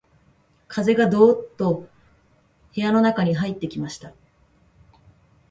風がどうっと室の中に入ってきました